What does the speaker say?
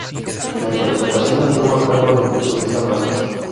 La interpretación estuvo a cargo de Luísa Bastos.